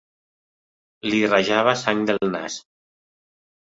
Li rajava sang del nas.